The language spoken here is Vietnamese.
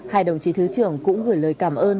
hai đồng chí thứ trưởng cũng gửi lời cảm ơn